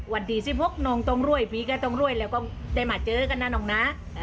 วันที่๑๖น้องต้องรวยผีก็ต้องรวยแล้วก็ได้มาเจอกันนะน้องนะ